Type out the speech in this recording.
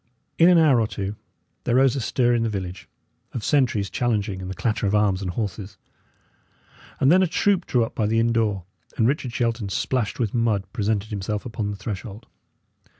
In an hour or two, there rose a stir in the village of sentries challenging and the clatter of arms and horses; and then a troop drew up by the inn door, and Richard Shelton, splashed with mud, presented himself upon the threshold.